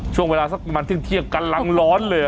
ช่วงเวลาสักประมาณเที่ยงกำลังร้อนเลย